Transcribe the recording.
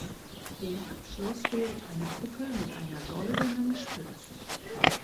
Den Abschluss bildet eine Kuppel mit einer goldenen Spitze.